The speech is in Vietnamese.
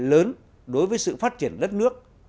lớn đối với sự phát triển đất nước